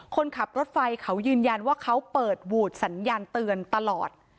คนขับรถไฟเขายืนยันว่าเขาเปิดหวูดสัญญาณเตือนตลอด